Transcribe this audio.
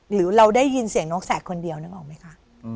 หรือเราได้ยินเสียงนกแสดคนเดียวนึกออกไหมคะ